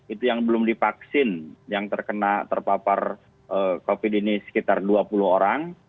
itu yang belum divaksin yang terkena terpapar covid ini sekitar dua puluh orang